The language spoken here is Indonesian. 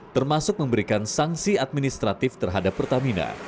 termasuk memberikan sanksi administratif terhadap pertamina